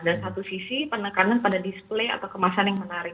satu sisi penekanan pada display atau kemasan yang menarik